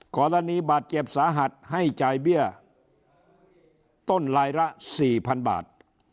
กรณีบาดเจ็บสาหัสให้จ่ายเบี้ยต้นลายละ๔๐๐๐บาท